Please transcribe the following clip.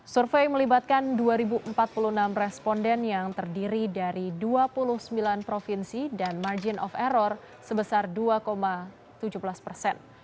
survei melibatkan dua empat puluh enam responden yang terdiri dari dua puluh sembilan provinsi dan margin of error sebesar dua tujuh belas persen